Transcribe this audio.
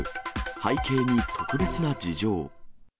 背景に特別な事情。